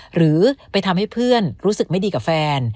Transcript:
หรือไปทำให้เพื่อนรู้สึกไม่ดีกับแฟน